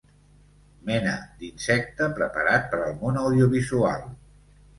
Mena d'insecte preparat per al món audiovisual.